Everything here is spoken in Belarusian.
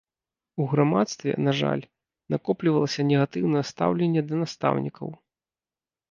У грамадстве, на жаль, накоплівалася негатыўнае стаўленне да настаўнікаў.